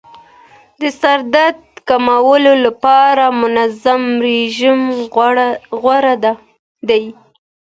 د سردرد کمولو لپاره منظم رژیم غوره دی.